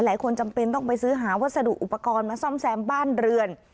จำเป็นต้องไปซื้อหาวัสดุอุปกรณ์มาซ่อมแซมบ้านเรือน